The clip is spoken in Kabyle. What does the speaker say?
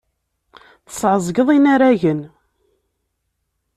Tesɛeẓgeḍ inaragen.